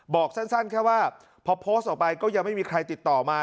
บอกสั้นแค่ว่าพอโพสต์ออกไปก็ยังไม่มีใครติดต่อมา